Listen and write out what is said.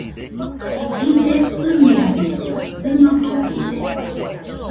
Ille jɨnuiñede, dɨno dujude